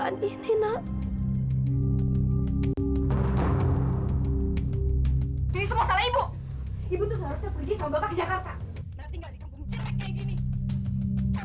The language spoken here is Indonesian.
ini semua salah ibu